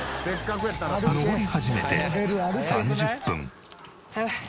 登り始めて３０分。